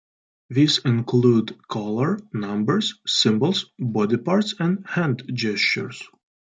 These include color, numbers, symbols, body parts and hand gestures.